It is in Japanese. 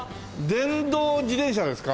電動自転車ですか？